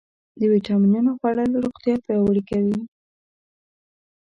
د ویټامینونو خوړل روغتیا پیاوړې کوي.